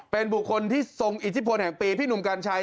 เป็นบุคคลที่ทรงอิทธิพลแห่งปีพี่หนุ่มกัญชัย